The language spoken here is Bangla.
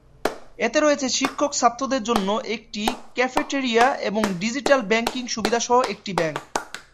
এতে রয়েছে শিক্ষক ছাত্রদের জন্য একটি ক্যাফেটেরিয়া এবং ডিজিটাল ব্যাংকিং সুবিধাসহ একটি ব্যাংক।